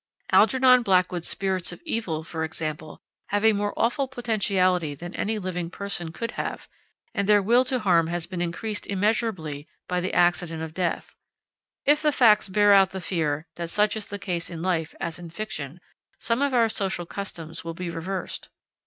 Algernon Blackwood's spirits of evil, for example, have a more awful potentiality than any living person could have, and their will to harm has been increased immeasurably by the accident of death. If the facts bear out the fear that such is the case in life as in fiction, some of our social customs will be reversed.